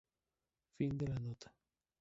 Fin de la nota.